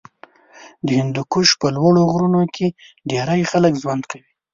د هندوکش په لوړو غرونو کې ډېری خلک ژوند کوي.